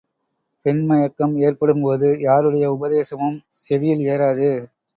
பெண் மயக்கம் ஏற்படும்போது யாருடைய உபதேசமும் செவியில் ஏறாது.